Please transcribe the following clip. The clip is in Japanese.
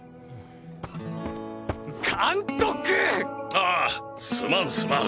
ああすまんすまん。